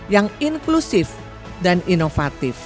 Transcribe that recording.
yang inklusif dan inovatif